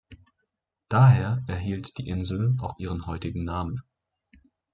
Daher erhielt die Insel auch ihren heutigen Namen.